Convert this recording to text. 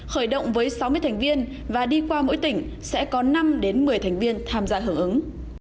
khởi động với sáu mươi thành viên và đi qua mỗi tỉnh sẽ có năm một mươi thành viên tham gia hưởng ứng